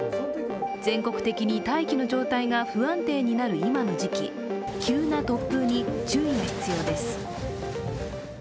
全国的に大気の状態が不安定になる今の時期、急な突風に注意が必要です。